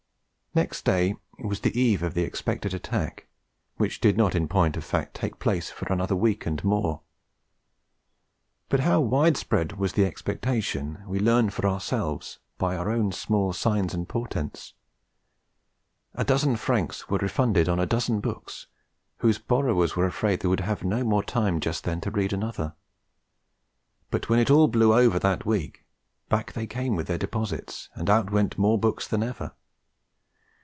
Next day was the eve of the expected attack, which did not in point of fact take place for another week and more; but how widespread was the expectation we learnt for ourselves by our own small signs and portents. A dozen francs were refunded on a dozen books whose borrowers were afraid they would have no more time just then to read another; but when it all blew over for that week, back they came with their deposits, and out went more books than ever.